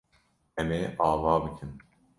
Em ê ava bikin.